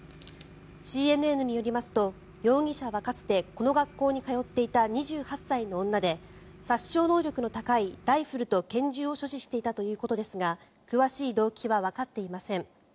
ＣＮＮによりますと、容疑者はかつてこの学校に通っていた２８歳の女で殺傷能力の高いライフルと拳銃を所持していたということですが詳しい動機はわかっていません。